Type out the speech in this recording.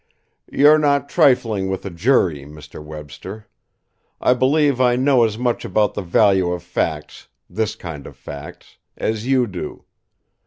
"You're not trifling with a jury, Mr. Webster. I believe I know as much about the value of facts, this kind of facts, as you do.